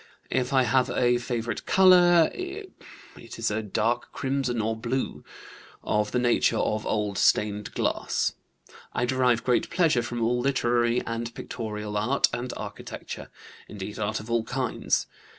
If I have a favorite color, it is a dark crimson or blue, of the nature of old stained glass. I derive great pleasure from all literary and pictorial art and architecture; indeed, art of all kinds.